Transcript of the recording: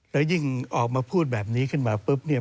แล้วยิ่งออกมาพูดแบบนี้ขึ้นมาปุ๊บเนี่ย